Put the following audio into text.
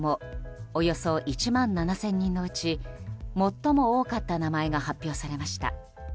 およそ１万７０００人のうち最も多かった名前が発表されました。